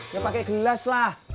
ya pakai gelas lah